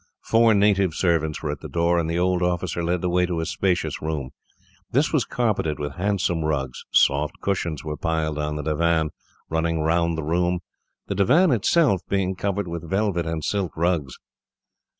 Four native servants were at the door, and the old officer led the way to a spacious room. This was carpeted with handsome rugs. Soft cushions were piled on the divan, running round the room, the divan itself being covered with velvet and silk rugs.